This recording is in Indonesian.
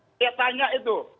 saya tanya itu